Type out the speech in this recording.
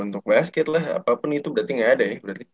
untuk basket lah apapun itu berarti nggak ada ya